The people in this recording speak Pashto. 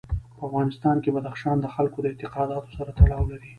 په افغانستان کې بدخشان د خلکو د اعتقاداتو سره تړاو لري.